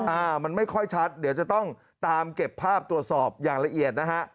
อ่ามันไม่ค่อยชัดเดี๋ยวจะต้องตามเก็บภาพตรวจสอบอย่างละเอียดนะฮะ